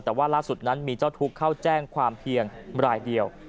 แต่ว่าล่าสุดนั้นมีเจ้าทุกข์เข้าแจ้งความเพียงรายเดียว